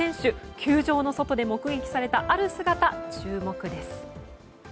球場の外で目撃されたある姿、注目です。